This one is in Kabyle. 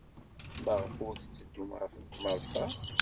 Maɣef ur tetteddum ɣer Malṭa?